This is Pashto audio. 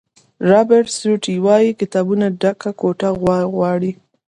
رابرټ سوټي وایي کتابونو ډکه کوټه غواړي.